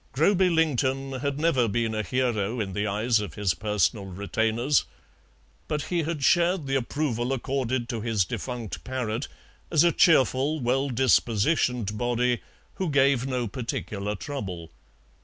Groby Lington had never been a hero in the eyes of his personal retainers, but he had shared the approval accorded to his defunct parrot as a cheerful, well dispositioned body, who gave no particular trouble.